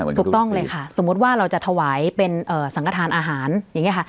ถูกต้องเลยค่ะสมมุติว่าเราจะถวายเป็นสังกระทานอาหารอย่างนี้ค่ะ